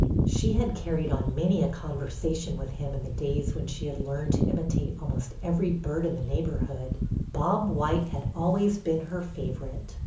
She had carried on many a conver sation with him in the days when she had learned #to imitate almost every bird in the neighborhood. Bob white had always been her favorite.